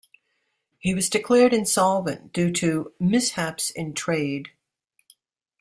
He was declared insolvent due to "mishaps in trade".